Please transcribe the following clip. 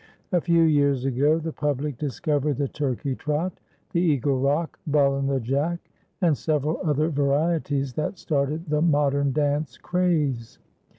A few years ago the public discovered the "turkey trot," the "eagle rock," "ballin' the jack," and several other varieties that started the modern dance craze.